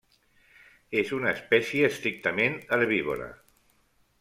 És una espècie estrictament herbívora.